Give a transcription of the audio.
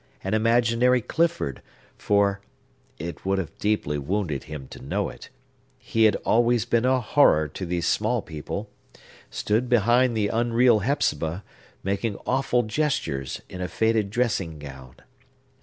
An imaginary Clifford—for (and it would have deeply wounded him to know it) he had always been a horror to these small people—stood behind the unreal Hepzibah, making awful gestures, in a faded dressing gown.